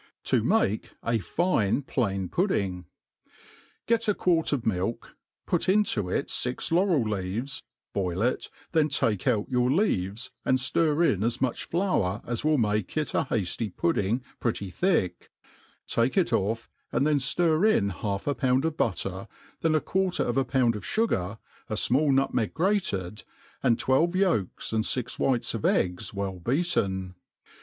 To make a fine Plain Pudding. GET a quart of milk, put into it fix laurel leaves^ boil if, then take out your leaves, and ftir in as much flour as will make it a hafty pudding pretty thick, take it ofF, and then ftir in half a pound of butter, then a quarter of a pound of fugar, a fmatl nutmeg grated, and twelve yolks and fix whites of eggs well beaten.